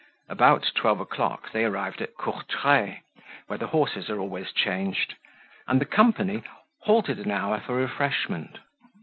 About twelve o'clock they arrived at Courtray, where the horses are always changed, and the company halt an hour for refreshment.